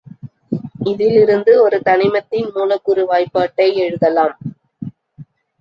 இதிலிருந்து ஒரு தனிமத்தின் மூலக்கூறு வாய்பாட்டை எழுதலாம்.